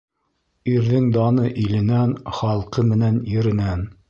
Ирҙең даны иленән, халҡы менән еренән.